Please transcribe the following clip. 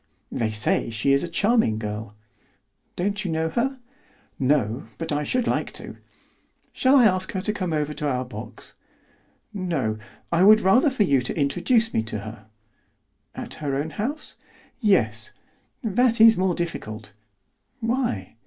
"They say she is a charming girl." "Don't you know her?" "No, but I should like to." "Shall I ask her to come over to our box?" "No, I would rather for you to introduce me to her." "At her own house?" "Yes. "That is more difficult." "Why?"